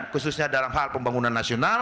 khususnya dalam hal pembangunan nasional